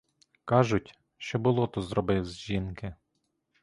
Кажуть, що болото зробив з жінки.